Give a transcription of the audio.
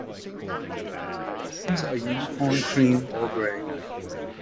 The hindwings are uniform cream or grey.